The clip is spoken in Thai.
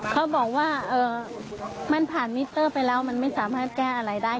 เขาบอกว่ามันผ่านมิเตอร์ไปแล้วมันไม่สามารถแก้อะไรได้